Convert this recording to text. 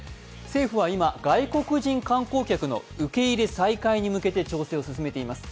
政府は今、外国人観光客の受け入れ再開に向けて調整を進めています。